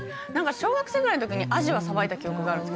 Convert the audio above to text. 小学生ぐらいの時にアジはさばいた記憶があるんですけど。